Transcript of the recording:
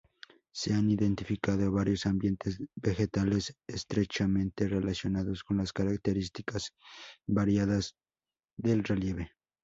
Se han identificado varios ambientes vegetales estrechamente relacionados con las características variadas del relieve.